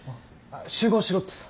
集合しろってさ。